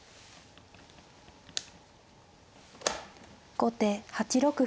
後手８六歩。